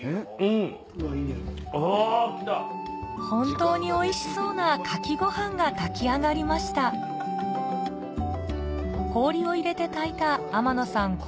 本当においしそうな牡蠣ご飯が炊き上がりました氷を入れて炊いた天野さん